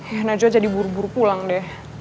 eh najwa jadi buru buru pulang deh